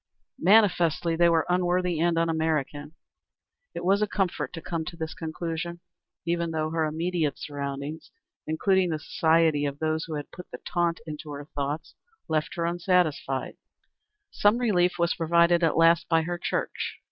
Manifestly they were unworthy and un American. It was a comfort to come to this conclusion, even though her immediate surroundings, including the society of those who had put the taunt into her thoughts, left her unsatisfied. Some relief was provided at last by her church.